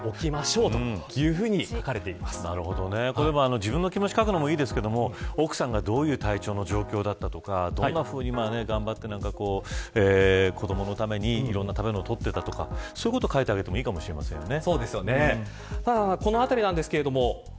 自分の気持ちを書くのもいいですけど奥さんがどういう体調の状況だったとかどんなふうに頑張って子どものためにいろんな食べ物を撮ってとかそういうことを書いてあげてもいいかもしれませんね。